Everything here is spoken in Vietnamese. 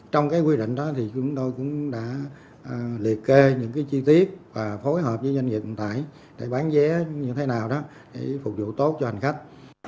trong quy định đó chúng tôi cũng đã liệt kê những chi tiết và phối hợp với doanh nghiệp hiện tại để bán vé như thế nào đó để phục vụ tốt cho hành khách